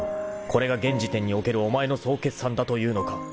［これが現時点におけるお前の総決算だというのか］